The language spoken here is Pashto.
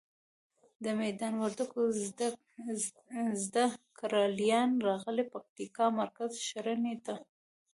د میدان وردګو زده ګړالیان راغلي پکتیکا مرکز ښرنی ته.